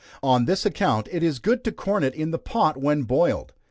On this account it is good to corn it in the pot when boiled.